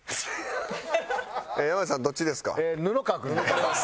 山内さんどっちですか？